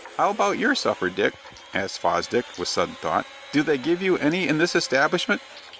"How about your supper, Dick?" asked Fosdick, with sudden thought. "Do they give you any in this establishment?"